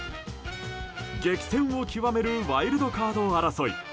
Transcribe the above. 激戦を極めるワイルドカード争い。